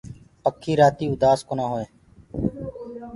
پکي رآتي اُدآس ڪونآ هوئينٚ۔